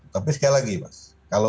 tapi sekali lagi mas